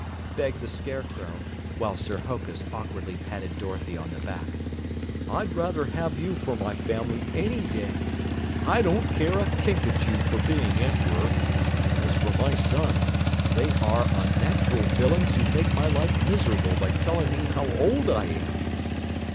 begged the Scarecrow, while Sir Hokus awkwardly patted Dorothy on the back. "I'd rather have you for my family any day. I don't care a Kinkajou for being Emperor, and as for my sons, they are unnatural villains who make my life miserable by telling me how old I am!"